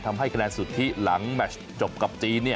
ทำให้คะแนนสุทธิหลังแมชจบกับจีน